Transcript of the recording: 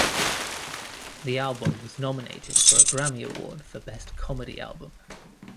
The album was nominated for a Grammy Award for Best Comedy Album.